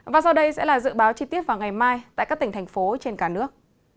và sau đây sẽ là dự báo chi tiết vào ngày mai tại các tỉnh thành phố trên cả nước